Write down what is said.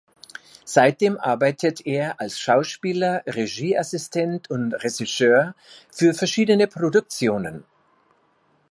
Seitdem arbeitet er als Schauspieler, Regieassistent und Regisseur für verschiedene Produktionen.